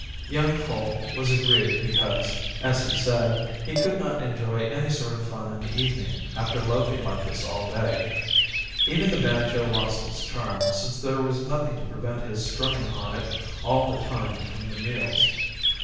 Young Cole was aggrieved because, as he said, we could not enjoy any sort of fun in the evening after loafing like this all day: even the banjo lost its charm since there was nothing to prevent his strumming on it all the time between the meals.